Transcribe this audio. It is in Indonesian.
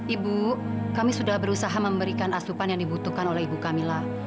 ibu kami sudah berusaha memberikan asupan yang dibutuhkan oleh ibu camilla